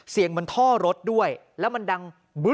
เสียงเหมือนท่อรถด้วยแล้วมันดัง